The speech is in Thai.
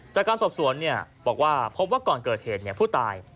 จากการสอบสวนบอกว่าพบว่าก่อนเกิดเหตุผู้ตาย